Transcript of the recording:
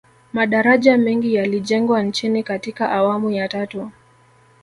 madaraja mengi yalijengwa nchini katika awamu ya tatu